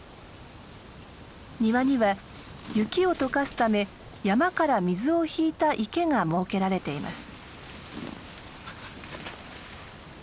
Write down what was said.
庭には雪を解かすため山から水を引いた池が設けられています。